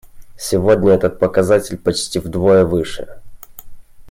Сегодня этот показатель почти вдвое выше.